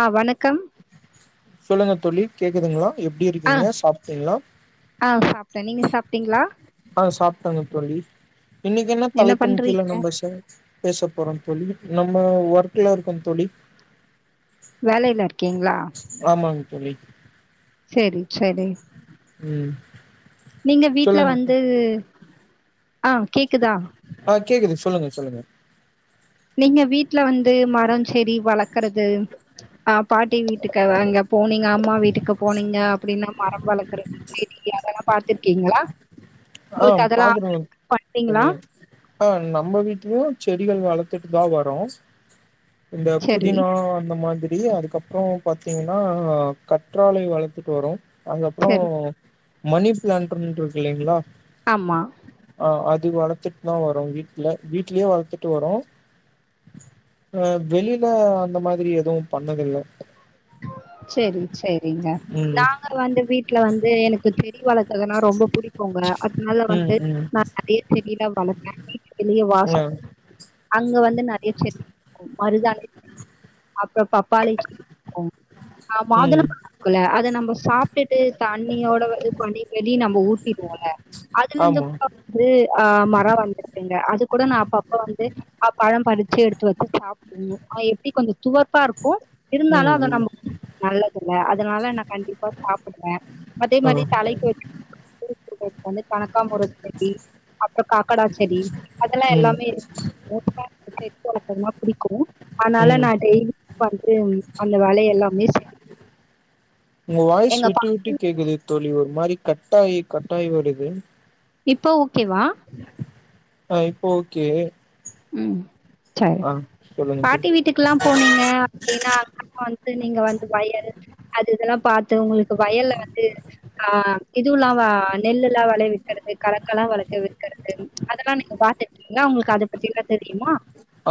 ஆ வணக்கம் சொல்லுங்க தோழி கேக்குதுங்களா எப்டி ஆ இருக்கீங்க சாப்ட்டீங்களா ஆ சாப்ட்டே நீங்க சாப்ட்டீங்களா ஆ சாப்ட்டேங்க தோழி இன்னைக்கி என்ன தலைப்பின் கீழ நம்ம சை பேச போறோ தோழி நம்ம ஒர்க்ல இருக்க தோழி வேலையில இருக்கீங்களா ஆமாங்க தோழி சரிச்சரி ம் நீங்க வீட்ல சொல்லுங்க வந்து ஆ கேக்குதா ஆ கேக்குது சொல்லுங்க சொல்லுங்க நீங்க வீட்ல வந்து மரம் செடி வளர்க்கறது ஆ பாட்டி வீட்டுக்கு வாங்க போனீங்க அம்மா வீட்டுக்கு போனீங்க அப்டின்னா மரம் வளர்க்கறது தெரியு அதெல்லா பாத்துருக்கீங்களா ஆ உங்களுக்கு அதெல்லா பாக்குறேன் பண்றீங்களா தோழி ஆ நம்ம வீட்லயு செ செடிகள் வளர்த்துட்டு தா வரோ இந்த செரி புதினா அந்த மாதிரி அப்டி அதுக்கப்புற பாத்தீங்கன்னா கற்றாழை வளத்துட்டு வரோ அதுபக்கபுறோ செரி மணி பிளான்ட்ன்னு இருக்கு இல்லீங்களா ஆமா அ அது வளத்துட்டு தா வரோ வீட்டல வீட்லயு வளத்துட்டு வரோ அ வெளில அந்த மாதிரி எதுவு [unintelligible] செரி செரிங்க ம் நாங்க வந்து வீட்ல வந்து எனக்கு செடி வள கறதுனா ரொம்ப புடிக்கும்ங்க அதனால ம் வந்து ம் நா நெறைய செடியெல்ல வளப்பே வெளிய ஆ வாசல் அங்க வந்து நெறைய செடி இருக்கு மருதாணி அப்புறோ பப்பாளி ம் ஆ ம் மாதுளபழோ இருக்குல அத நம்ம சாப்ட்டுட்டு தண்ணியோட வந்து பணி வெலி நம்ம ஊத்திடுவோம்ல அதுல இருந்து ஆமா வந்து அ மரோ வந்துருக்கங்க அது கூட நா அப்பப்ப வந்து [unintelligible] பழம் பறிச்சு எடுத்து வச்சு சாப்பிடுணு ஆ் எப்டி கொஞ்சோ துவரப்பா இருக்கு ம் ம் நல்லதுங்க அதனால நா கண்டிப்பா சாப்டுவே அதே ஆ மாரி தலைக்கு வெ [unintelligible] வந்து கனக்காமர செடி அப்புறோ காக்கடா செடி அதெல்லா ம் எல்லாமே இருக்கு [unintelligible] புடிக்கு அதனால ம் நான் டெய்லி [unintelligible] ரேம் அந்த வேலை எல்லாமே செய் உங்க வாய்ஸ் விட்டு விட்டு கேக்குது தோழி ஒரு மாரி கட்டாயி கட்டாயி வருது இப்ப ஓகேவா ஆ இப்போ ஓகே ம் சரி. ஆ சொல்லுங்க தோழி பாட்டி வீட்டுக்கெல்லா போனீங்க அப்டின்னா அங்கெல்லா வந்து நீங்க வந்து வயல் அது இதெல்லா பாத்து உங்களுக்கு வயல்ல வந்து ஆ இதுவுமில்லா நெல்லு எல்லா வெளைவிக்கிறது கலக்கலா வளர்க்க விக்கறது அதெல்லா நீங்க பாத்திருக்கீங்களா உங்களுக்கு அத பத்தி எல்லா தெரியுமா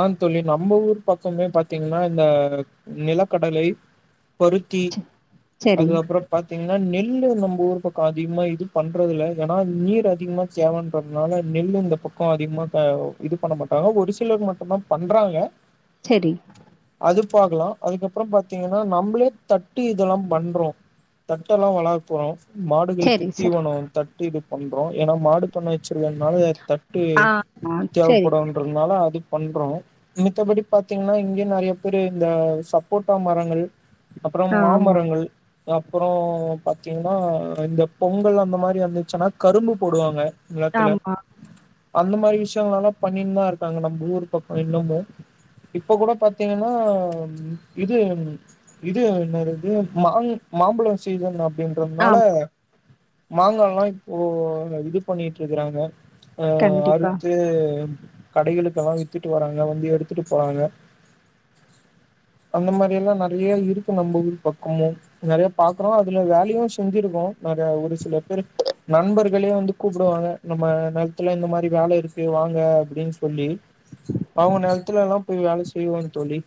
ஆ தோழி நம்ம ஊர் பக்கமே பாத்தீங்கன்னா இந்த நிலக்கடலை பருத்தி சரி, அதுக்கப்புற பத் திங்கன்னா நெல் நம்ம ஊர் பக்கோ அதிகமா இது பண்றதில்ல ஏன்னா நீர் அதிகமா சேவன்றதுனால நெல்லு இந்த பக்கோ அதிகமா அ இது பண்ண மாட்டாங்க ஒரு சிலர் மட்டும்தா பண்றாங்க செரி அது பாக்கலா அதுக்கப்புறோ பாத்தீங்கன்னா நம்மளே தட்டு இதெல்லா பண்றோ தட்ட எல்லா வள போறோ மாடுகளுக்கு சரி, சரி. தீவனோ தட்டு இது பண்றோ ஏன்னா மாடு பண்ண வச்சிருக்கனால தட் ட்டு ஆ, ஆ, சரி. தேவைப்படன்றதுனால அது பண்றோம் மித்தபடி பாத்தீங்கன்னா இங்கேயு நெறைய பேரு இந்த சப்போட்டா மரங்கள் அப்புறம் ஆமா, மாமரங்கள் அப்புறோ பாத்தீங்கன்னா இந்த பொங்கல் அந்த மாரி வந்துச்சுன்னா கரும்பு போடுவாங்க நிலத்துல ஆமா, அந்த மாரி விஷயங்களல்லா பண்ணினு தா இருக்காங்க நம்ம ஊரு பக்கோ இன்னுமு இப்ப கூட பாத்தீங்கன்னா இது இது என்னதிது மாங் மாம்பழோ சீசன் அப் ப்படின்றதுனால ஆமா. மாங்காலல்லா இப்போ இது பண்ணிட்டு இருக்கிறாங்க அ கண்டிப்பா. அறுத்து கடைகளுக்கெல்லா வித் த்துட்டு வராங்க வந்து எடுத்துட்டு போறாங்க அந்த மாதிரி எல்லா நெறைய இருக்கு நம்ம ஊர் பக்கமு நெறைய பாக்குறோ அதுல வேலையு செஞ்சிருக்கோ நெறய ஒரு சில பேர் நண்பர்களே வந்து கூப்டுவாங்க நம்ம நெலத்துல இந்த மாரி வேல இருக்கு வாங்க அப்டின்னு சொல்லி அவங்க நெலத்துல எல்லா போய் வேல செய்வோ தோழி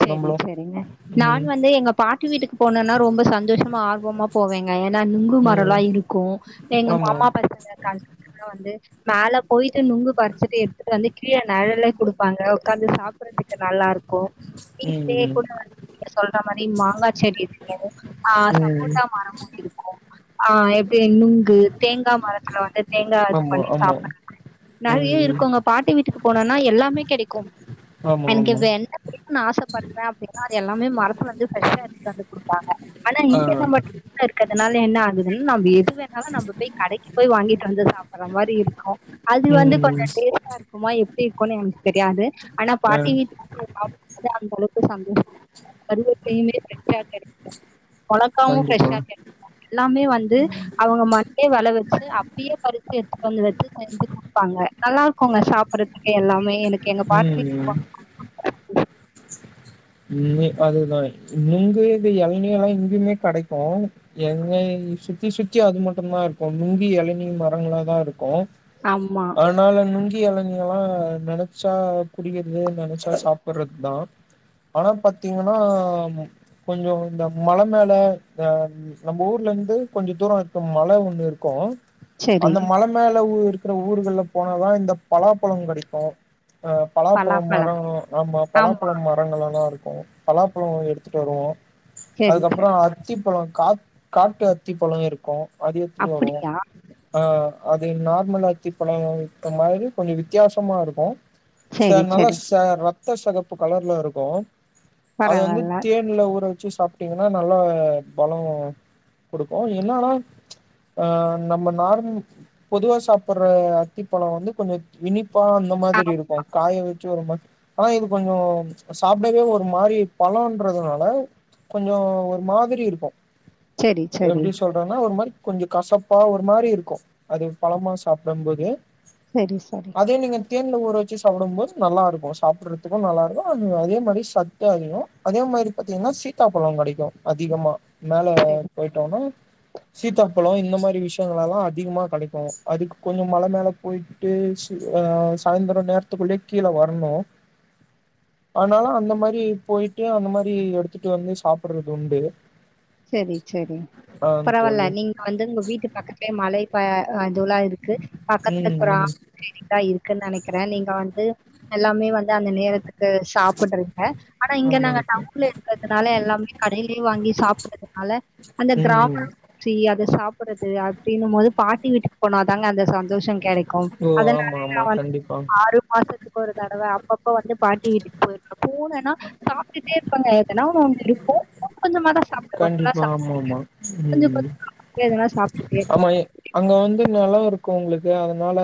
செரி நம்மளும் செரிங்க நானு ம் வந்து எங்க பாட்டு வீட்டுக்கு போனேன்னா ரொம்ப சந்தோஷமா ஆர்வமா போவேங்க ஏன்னா நுங்கு ம் மரல்லா இருக்கு எங்க ஆமா மாமா பசங்க [unintelligible] வந்து மேலே போய்ட்டு நுங்கு பறிச்சிட்டு எடுத்துகிட்டு வந்து கீழே நெழல குடுப்பாங்க உக்காந்து சாப்பிடறதுக்கு நல்லா இருக்கு ம் வீட்லயே ம் கூட வந்து நீங்க சொல்ற மாரி மாங்கா செடி இருக்கு ஆ ம் சப்போட்டா மரமு இருக்கு ஆ எப்டி நுங்கு தேங்கா மரத்துல வந்து தேங்க இது ஆமா பண்ணி ஆமா சாப்பிடறது நெறைய ம் ம் இருக்கோங்க பாட்டு வீட்டுக்கு போனனா எல்லாமே கெடைக்கு ஆமா எனக்கு ஆமா வெண்ண புடிக்கு நா ஆசப் பட்றே அப்டினா அது எல்லாமே மரத்துலருந்து ஃப்ரெஷ்ஸா எடுத்து வந்து குடுப்பாங்க ஆனா ஆ இங்கனா மட் இருக்க அதனால என்ன ஆகுதுன் நம்ம எது வேணாலு நம்ப போயி கடைக்கு போய் வாங்கிட்டு வந்து சாப்பிற மாரி இருக்கு அது வந்து ம் கொஞ்சோ டேஸ்ட்டா இருக்கு மா எப்டி இருக்குனு எனக் தெரியாது ஆனா ஆ பாட்டி வீட்ல போய் சாப் து அந் எனக்கு சந்தோஷ கருவேப்லையுமே ஃப்ரெஷா கெடைக்கு மொளகாவு கண்டிப்பா ஃப்ரெஷா கெடைக் எல்லாமே வந்து அவுங்க மண்ணே வள வச்சு அப்பியே பறிச்சி எடுத் கொஞ்ச வெச்சி செஞ்சு குடுப்பாங்க நல்லா இருக்குங்க சாப்றதுக்கே எல்லாமே எனக் எங்க பாட்டி ம் [unintelligible] ம்மே அதுதா நுங்கு இந்த எளநீ எல்லா இங்க்யுமே கெடைக்கு எங்க சுத்தி சுத்தி அது மட்டுதா இருக்கு நுங்கு எளநீ மரங்களா தா இருக் கு ஆமா. அதனால நுங்கி எளநீ எல்லா நெனச்சா குடிக்கித் இதே நெனச்சா சாப்பிறதுக்தா ஆனா பாத்தீங்கனா கொஞ்சோ இந்த மல மேல அ நம்பூர்லந்து கொஞ்சோ தூரோ இருக்கு மல ஒண்ணு இருக்கு சரி. அந்த மல மேல ஊ இருக்குற ஊர்கள்ல போனாதா இந்த பலாப்பழோ கெடைக்கு ஆ பலாப்பழோ பலாப்பழம் மரங் ஆமா பலாப்பழோ மரங்கல்லா இருக்கு பலாப்பழோ எடுத்துட்டு வருவோ சரி அதுக்கப்றோ சரி அத்திப்பழோ கா காட்டு அத்தி பழோ இருக்கு அது எடுத்து‌ வருவோ அப்படியா ஆ அது நார்மல் அத்திப்பழ இருக்க மாதிரி கொஞ்ச வித்யாசமா இருக்கு ச சரி நல்லா சரி ச ரத்த செகப்பு கலர்ல இருக்கு அது வந்து பரவால்ல தேன்ல ஊற வச்சு சாப்ட்டீங்கனா நல்லா பல வரு குடுப்போ என்னாதா ம்ச் ஆ நம்ம நார் பொதுவா சாப்பிற அத்திப்பழோ வந்து கொஞ்ச இனி ப்பா அந்த ஆ மாதிரி இருக்கு காய வெச்சு ஒரு மாஸ் ஆனா இது கொஞ்சோ ம்ச் சாப் இந்தவே ஒரு மாரி பழன்றதுனால ம்ச் கொஞ்சோ ஒரு மாதிரி இருக்கு சரி சரி எப்டி சொல்றனா ஒரு மாரி கொஞ்ச கசப்பா ஒரு மாரி இருக்கு அது பழமா சாப்டம் போது செரி செரி தேன்ல ஊற வச்சு சாப்டுபோது நல்லா இருக்கு சாப்றதுக்கு நல்லா இருக்கு அந் அதே த மாரி சத்தே அதிகோ அதே மாரி பாத்தீங்கனா சீத்தாப்பழோ கெடைக்கு அதிகமா மேல சரி போய்ட்டோனா சீத்தாப்பழோ இந்த மாரி விஷ்யங்கள் எல்லா அதிகமா கெடைக்கு அதுக்கு கொஞ்ச மல மேல போயிட்டு சி அ சாய்ந்ரோ நே நேரத்துக்குள்ளே கீழ வரணு ஆனாலு அந்த மாரி போயிட்டு அந்த மாரி எடுத்துட்டு வந்து சாப்பறது உண்டு செரி செரி ஆ பரவால்ல தோழி நீங்க வந்து உங்க வீட்டு பக்கத்துலயே மலை ப அதுல்லா இருக்கு பக்கத்துல ம் ஒரு ம் ஆ இருக்குன் நெனைக் ற நீங்க வந்து எல்லாமே வந் து அந்த நேரத்துக்கு சாப்புட்றீங்க ஆனா இங்க நாங்க ஆமாங்க தோழி டவுன்ல இருக்கர்துனால எல்லாமே கடையிலேயே வாங்கி சாப் றனால அந்த கிராம ம் சி எ அத சாப்புறது அப்டினு போது பாட்டி வீட்டுக்கு போனாதாங்க அந்த சந்தோஷங் கெடைக்கு ஓ ஆமா அதனாலே நா ஆமா வந் கண்டிப்பா ஆறு மாசத்துக்கு ஒரு தடவ அப்பப்ப வந்து பாட்டி வீட்டுக்கு போயிருக்கோ போனனா சாப்ட்டுட்டே இருப்பாங்க எதனா ஒண்ணு இருக்கு கொஞ்சமா தா கண்டிப்பா ஆமா ஆமா ம் கொஞ்சமா எதனா சாப்ட்டுட்டே ஆமா இருப்பேன். எ அங்க வந்து நெலவ் இருக் கு உங்களுக்கு அதனால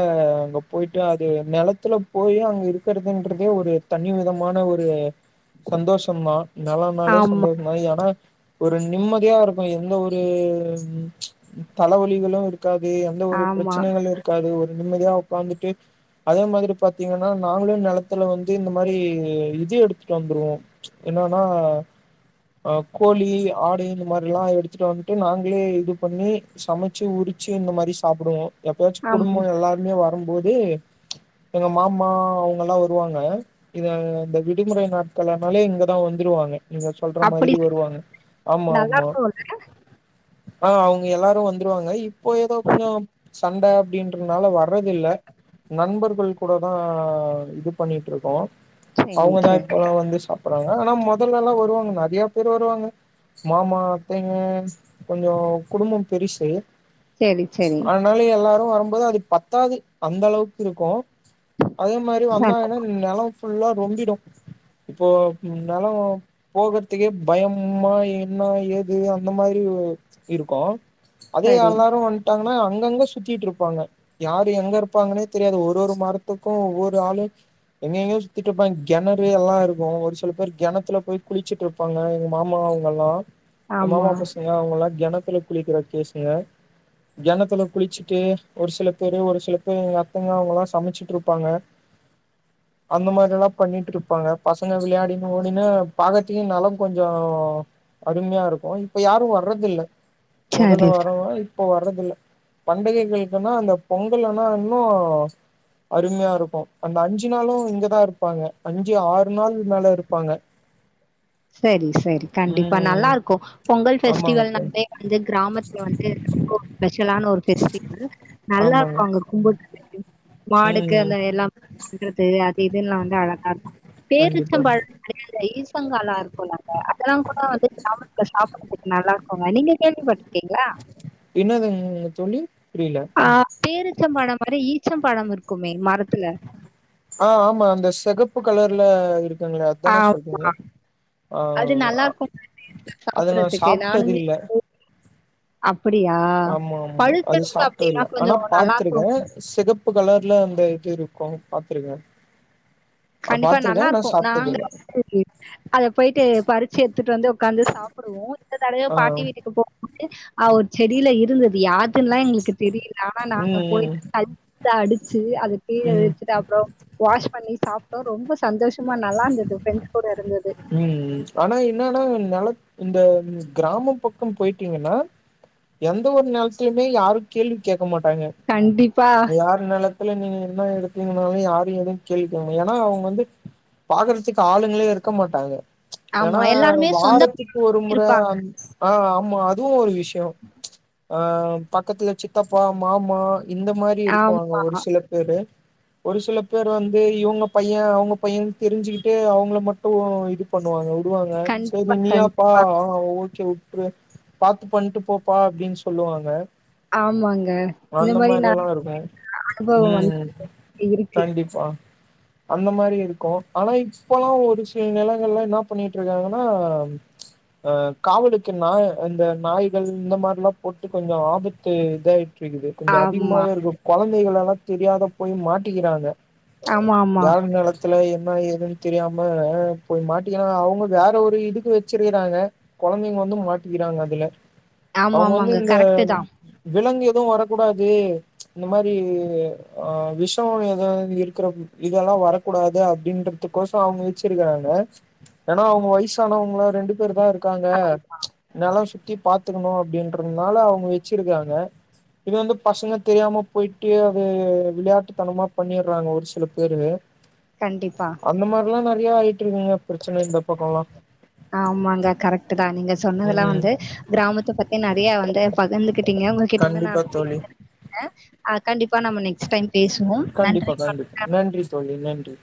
அங்க போயிட்டு அது நெலத்துல போய் அங்க இருக்குறதுன்றதே ஒரு த னி விதமான ஒரு சந்தோஷம் தா நெலமாளே ஆமா, சந்தோஷ தா ஏனா ஒரு நிம்மதியா இருக்கு எந்த ஒரு ம்ச் தலவலிகளு இருக் ருக்காது எந்த ஒரு ஆமா. பிரச்சனைகளு இருக்காது ஒரு நிம்மதியா உக்கார்ந்துட்டு அதே மாதிரி பாத்தீங்கன்னா நாங்களு நெலத்துல வந்து இந்த மாரி இது எடுத்துட்டு வந்துருவோ என்னன்னா ஆ கோழி ஆடு இந்த மாரிலா எடுத்துட்டு வந்துட்டு நாங்களே இது பண்ணி சமச்சு உரிச்சு இந்த மாரி சாப்புடுவோ எப்பயாச்சு அம் குடும்போ எல்லாருமே வரும்போது எங்க மாமா அவங்கல்லா வருவாங்க இத இந்த விடுமுறை நாட்கள்ளனாலே இங்கதா வந்துருவாங்க நீங்க சொல்ற மாதிரி வருவாங்க. ஆமா நல்லா ஆமா இருக்கூல ஆ அவங்க எல்லாரு வந்துருவாங்க இப்போ எதோ கொஞ்சொ சண்ட அப்டின்றதுனால வறது இல்ல நண்பர்கள் கூடதா இது பண்ணிட்டுருக்கோ சரி, அவங்கதா சரி. இப்பல்லா வந்து சாப்படுறாங்க ஆனா மொதல்லல்லா வருவாங்க நெறையா பேர் வருவாங்க மாமா அத்தைங்க கொஞ்சொ குடும்போ பெருசு சரி, சரி. அதனால எல்லாரு வரும்போது அது பத்தாது அந்த அளவுக்குருக்கு அதே மாரி சரி, வந்தாங்கன்னா நெலம் ஃபுல்லா ரொம்பிடு இப்போ இருந்தாலு போகறதுக்கே பயமா இ ன்னா ஏது அந்த மாதிரி ஒ இருக்கு அதே சரி. அல்லாரு வந்ட்டாங்கன்னா அங்கங்க சுத்திட்டுருப்பாங்க யாரு எங்க இருப்பாங்கன்னே தெரியாது ஒரு ஒரு மரத்துக்கு ஒவ்வொரு ஆளு எங்க எங்கயோ சுத்திட்டுருப்பாங்க கெணறு எல்லா இருக்கு ஒரு சில பேர் கெணத்துல போய் குளிச்சட்டு இருப்பாங்க எங்க மாமா அவங்கல்லா மாமா ஆமா. பசுங்க அவங்கல்லா கெணத்துல குளிக்கிற கேசுங்க கெணத்துல குளிச்சுட்டு ஒரு சில பேரு ஒரு சில பேர் எங்க அத்தங்க அவங்கல்லா சமச்சிட்டுருப்பாங்க [unintelligible] அந்த மாதிரில்லா பண்ணிட்டு இருப்பாங்க பசங்க விளையாடின்னு ஓடினா பாக்கறத்துக்கே நல்ல கொஞ்சோ அருமையா இருக்கு இப்ப யாரு வர்றதில்ல மொதல்ல சரி. வரவங்களா இப்போ வர்றதில்ல. பண்டிகைகளுக்குன்னா அந்த பொங்கல்லனா இன்னு அருமையாருக்கு அந்த அஞ்சு நாளு இங்கதா இருப்பாங்க அஞ்சு ஆறு நாள் மேல இருப்பாங்க. சரி சரி கண்டிப்பா ம் நல்லாருக்கு பொங்கல் ஆமாங்க தோழி ஃபெஸ்டிவல்னாலே வந்து கிராமத்துல வந்து [inaudible] ஸ்பெஷலான ஒ ஒரு ஃபெஸ்டிவல் ஆமாங்க நல்லாருக்கு அங்க கும்புட் [inaudible] மாடுக்கு ம் அந்த எல்லா பண்றது அது இதுல்லா வந்து அழகாருக்கு கண்டிப்பா பேரிச்சம்பழ [inaudible] ஈஸ்வங்காலா இருக்குல்லங்க அதெல்லா கூட வந்து [inaudible] அதுக்கு நல்லா இருக்குங்க நீங்க கேள்விப்பட்டுருக்கீங்களா? என்னதுங்க தோழி புரியல ச்சம் பழம் இருக்குமே மரத்துல ஆ ஆமா அந்த செகப்பு கலர்ல இருக் குங்களே அதானே ஆமா. சொல்றீங்க ஆ அது நல்லாருக்குங்க டேஸ்ட்டா அது நா சாப்பிடுறதுக்கு. சாப்ட்டது நானுமே இல்ல அப்படியா? ஆமா ஆமா அது பழுத்தெடுப்பு அப்படின்னா சாப்ட்டதில்ல ஆனா கொஞ்சம் பாத்துருக்கே நல்லாருக்கும். சிகப் பு கலர்ல அந்த இது இருக்கு பாத்துருங்க கண்டிப்பா நல்லா இருக்கு நாங்க [inaudible] அத போயிட்டு பறிச்சு எடுத்துட்டு வந்து உக்காந்து சாப்புடுவோ இந்த தடவை ஆ பாட்டி வீட்டுக்கு போகும்போது அ ஒரு செடியில இருந்து து யாதுன்லா எங்களுக்கு தெரியல ஆனா நாங்க ம் ம் போயிட்டு [inaudible] அடிச்சு அத கீழ ம் இழுத்துட்டு அப் றோ வாஷ் பண்ணி சாப்ட்டோ ரொம்ப சந்தோஷமா நல்லா இருந்தது ஃப்ரெண்ட்ஸ் கூட இருந்தது. ம் ஆனா என்னனா நெல இந்த கிராம பக்கோ போயிட்டீங்கன்னா எந்த ஒரு நெலத்திலயுமே யாரு கேள்வி கேக் க்க மாட்டாங்க கண்டிப்பா. யார் நெலத்துல நீங்க என்ன எடு த்தீங்னாலு யாரு எதுவு கேள்வி கேங்க மா ஏனா அவங்க வந்து பாக்றதுக்கு ஆளுங்களே இருக்க மாட்டாங்க ஆமா. ஏன்னா எல்லாருமே சொந்த வீடு வாரத்துக்கு ஒரு முற இருப்பாங்க. அந் ஆ ஆமா அதுவு ஒரு விஷயொ ஆ பக்கத்துல சித்தப்பா மாமா இந்த மாரி இருக்குவாங்க ஆமா. ஒரு சில பேரு ஒரு சில பேர் வந்து இவுங்க பைய அவுங்க பையனு தெரிஞ்சுகிட்டு அவங்கள மட்டு டு இது பண்ணுவாங்க விடுவாங்க கண்டிப்பா, செரி நீயாப்பா கண்டிப்பா. ஓ ஒரு பாத்து பண்ட்டு போப்பா அப்டின்னு சொல்லுவாங்க ஆமாங்க. இந்த அந்த மாரி நான் எல்லா இருக்கு அனுபவம் வந்து ம் இருக்கு. கண்டிப்பா அந்த மாரி இருக்கு ஆனா இப்பெல்லா ஒரு சில சில நிலங்கள்ல என்ன பண்ணிட்டு இருக்காங்கன்னா அ காவலுக்கு நாய் அந்த நாய்கள் இந்த மாரில்லா போட்டு கொஞ்சோ ஆபத்து இத க்குது கொஞ்சோ ஆமா அதிகமாவே இருக்கு கொழந்தைகள் எல்லா தெரியாத போய் மாட்டிக்கிறாங்க ஆமாமா யார நெலத்துல என்ன ஏதுன்னு தெரியாம போய் மாட்டிக்கிறா அவங்க வேற ஒரு இதுக்கு வெச்சிருறாங்க கொழந்தைங்க வந்து மாட்டிக்கிறாங்க அதுல அவங்க வந்து ஆமாமாங்க இந்த கரெக்ட்டு தா விலங்கு எவும் வரக்கூடாது இந்த மாரி அ விஷம் ஏதது இருக்கிற இதெல்லா வரக்கூடாது அப்டின்றதுக்கோசோ அவங்க வெச்சிருக்கிறாங்க ஏன்னா அவங்க வயசானவங்கள ரெண்டு பேர் தா இருக்காங்க ஆமா என்னாலா சு சுத்தி பாத்துக்கணு அப்டின்றதுனால அவங்க வெச்சிருக்காங்க இது வந்து பசங்க தெரியாம போயிட்டு அது விளாட்டுத்தனமா பண்ணிடுறாங்க ஒரு சில பேரு கண்டிப்பா அந்த மாரிலா நெறைய ஆயி பிரச்சன இந்த பக்கல்லா ஆமாங்க கரெக்ட் தா நீங்க ம் சொன்னதெல்லா ம் வந்து கிராமத்தைப் பத்தி நெறைய வந்து பகிர்ந்துகிட்டீங்க உங் உங்ககிட்ட வந்து நா கண்டிப்பா தோழி பேசுனதுல நன்றி கண்டிப்பா கண்டிப்பா வணக்கம் நன்றி தோழி நன்றி